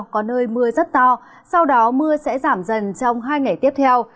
có nơi mưa rất to sau đó mưa sẽ giảm dần trong hai ngày tiếp theo